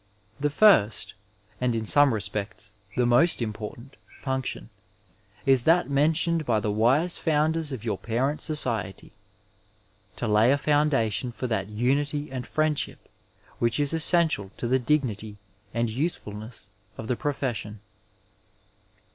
The first, and in some respects the most important, function is that motioned by the wise founders of your parent sociely — ^to lay a foundation for that unity and friendship which is essential to the dignity and usefulness of the profession.